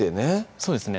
そうですね